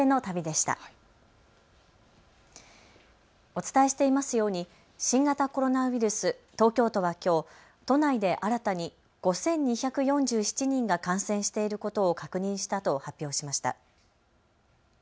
お伝えしていますように新型コロナウイルス、東京都はきょう都内で新たに５２４７人が感染していることを確認したと発表しました。